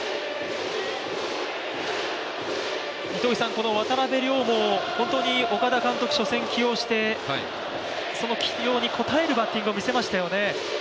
この渡邉諒も本当に岡田監督、初戦起用してその起用に応えるバッティングを見せましたよね。